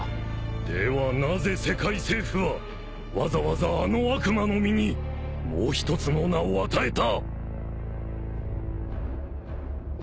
ではなぜ世界政府はわざわざあの悪魔の実にもう一つの名を与えた！？